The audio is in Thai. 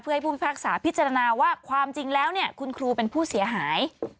เพื่อให้ผู้พิพากษาพิจารณาว่าความจริงแล้วเนี่ยคุณครูเป็นผู้เสียหาย